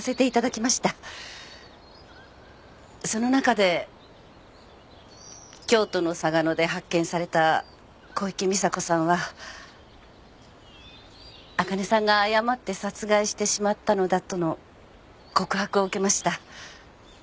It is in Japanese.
その中で京都の嵯峨野で発見された小池美砂子さんはあかねさんが誤って殺害してしまったのだとの告白を受けました。